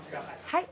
はい。